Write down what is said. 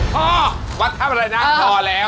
พ่อวัดท่ำอะไรน่ะพอแล้ว